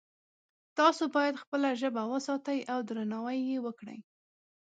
تاسو باید خپله ژبه وساتئ او درناوی یې وکړئ